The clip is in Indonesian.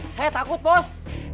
saya takut bos